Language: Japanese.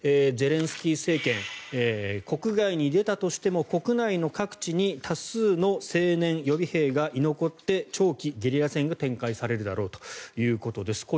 ゼレンスキー政権国外に出たとしても国内の各地に多数の青年・予備兵が居残って長期ゲリラ戦が展開されるだろうということです。